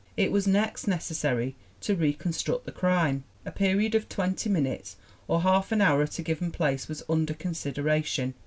It was next necessary to reconstruct the crime. A period of twenty minutes or half an hour at a given place was under consideration.